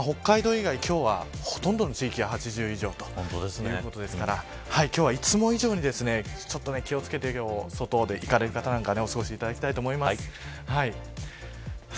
以外、今日はほとんどの地域で８０以上ということですから今日は、いつも以上に気を付けて外に行かれる方なんかは過ごしていただきたいと思います。